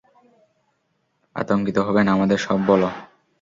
আতঙ্কিত হবে না, আমাদের সব বলো।